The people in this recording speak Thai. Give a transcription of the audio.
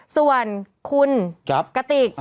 ส่วนคุณกติก